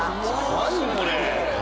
何だこれ！